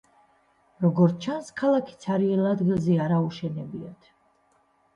როგორც ჩანს ქალაქი ცარიელ ადგილზე არ აუშენებიათ.